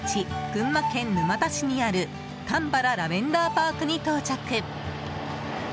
群馬県沼田市にあるたんばらラベンダーパークに到着。